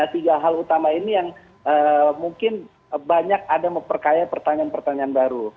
tiga hal utama ini yang mungkin banyak ada memperkaya pertanyaan pertanyaan baru